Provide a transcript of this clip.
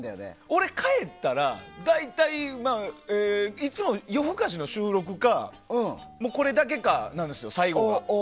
俺、帰ったら大体いつも「夜ふかし」の収録かこれだけかなんですよ。